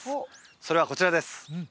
それはこちらです